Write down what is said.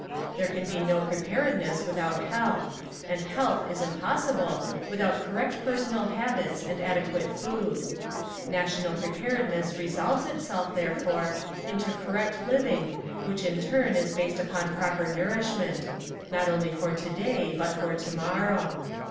There can be no preparedness without health, 4 and health is impossible without correct personal habits and adequate food. National preparedness resolves itself, therefore, into correct living which in turn is based upon proper nourish ment, not only for today but for tomorrow.